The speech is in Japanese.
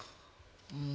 うん。